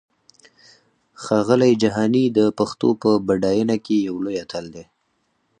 ښاغلی جهاني د پښتو په پډاینه کې یو لوی اتل دی!